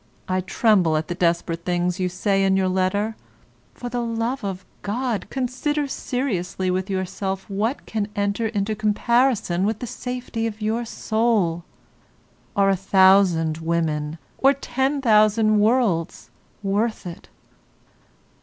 I tremble at the desperate things you say in your letter; for the love of God, consider seriously with yourself what can enter into comparison with the safety of your soul. Are a thousand women, or ten thousand worlds, worth it?